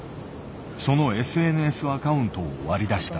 そのＳＮＳアカウントを割り出した。